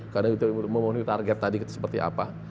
karena itu memenuhi target tadi seperti apa